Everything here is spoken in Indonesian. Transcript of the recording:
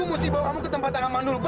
mesti bawa kamu ke tempat yang aman dulu